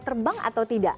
terbang atau tidak